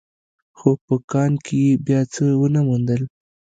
خو په کان کې يې بيا څه ونه موندل.